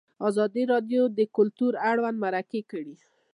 ازادي راډیو د کلتور اړوند مرکې کړي.